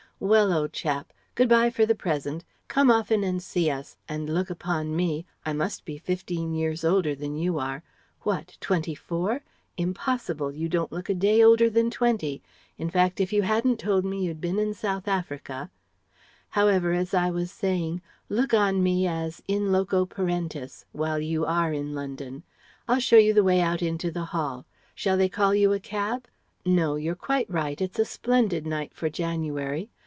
"Well, old chap. Good bye for the present. Come often and see us and look upon me I must be fifteen years older than you are What, twenty four? Impossible! You don't look a day older than twenty in fact, if you hadn't told me you'd been in South Africa However as I was saying, look on me as in loco parentis while you are in London. I'll show you the way out into the hall. Shall they call you a cab? No? You're quite right. It's a splendid night for January.